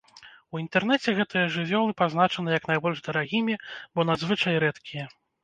У інтэрнэце гэтыя жывёлы пазначаны як найбольш дарагімі, бо надзвычай рэдкія.